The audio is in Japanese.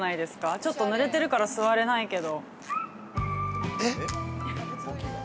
ちょっと、ぬれてるから座れないけど。